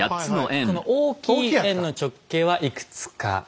この大きい円の直径はいくつか。